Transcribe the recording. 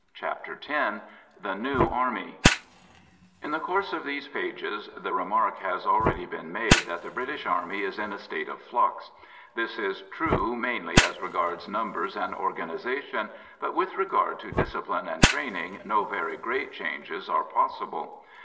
CHAPTER X THE NEW ARMY In the course of these pages the remark has already been made that the British Army is in a state of flux; this is true mainly as regards numbers and organisation, but with regard to discipline and training no very great changes are possible.